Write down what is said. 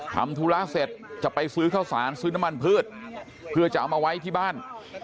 ทำธุระเสร็จจะไปซื้อข้าวสารซื้อน้ำมันพืชเพื่อจะเอามาไว้ที่บ้าน